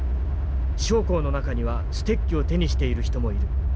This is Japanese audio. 将校の中にはステッキを手にしている人もいる。